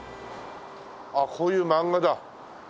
ああこういう漫画だ。